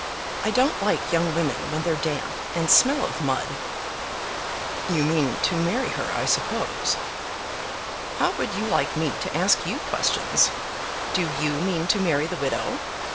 I don't like young women when they're damp and smell of mud." "You mean to marry her, I suppose?" "How would you like me to ask you questions? Do you mean to marry the widow?